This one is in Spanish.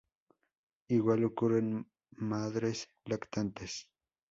Igual ocurre en madres lactantes.